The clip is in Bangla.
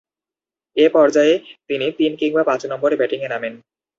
এ পর্যায়ে তিনি তিন কিংবা পাঁচ নম্বরে ব্যাটিংয়ে নামেন।